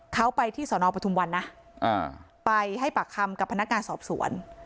เขาไปที่สนปทุมวันนะไปให้ปากคำกับพนักงานสอบสวน